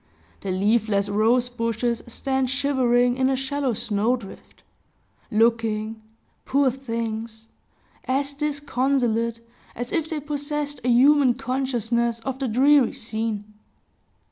The leafless rose bushes stand shivering in a shallow snow drift, looking, poor things! as disconsolate as if they possessed a human consciousness of the dreary scene.